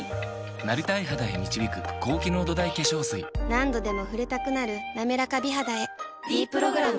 何度でも触れたくなる「なめらか美肌」へ「ｄプログラム」